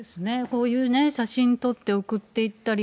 こういう写真撮って送っていったり、